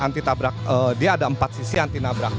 anti tabrak dia ada empat sisi anti nabrak